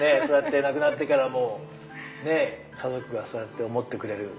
亡くなってからも家族がそうやって思ってくれる。